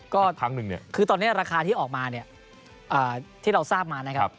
ก็ทางหนึ่งเนี่ยคือตอนนี้ราคาที่ออกมาเนี่ยที่เราทราบมานะครับ